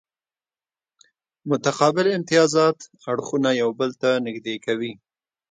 متقابل امتیازات اړخونه یو بل ته نږدې کوي